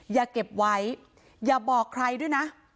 อย่าเก็บไว้อย่าบอกใครด้วยนะ